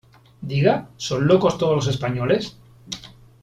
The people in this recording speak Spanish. ¿ diga , son locos todos los españoles ?